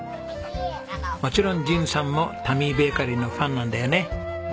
もちろん仁さんもタミーベーカリーのファンなんだよね。